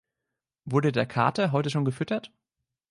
Wurde der Kater heute schon gefüttert?